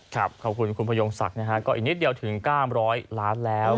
ขอบคุณคุณพยงศักดิ์นะฮะก็อีกนิดเดียวถึง๙๐๐ล้านแล้ว